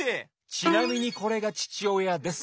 ちなみにこれがちちおやです。